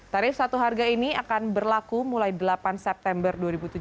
tarif satu harga ini akan berlaku mulai delapan september dua ribu tujuh belas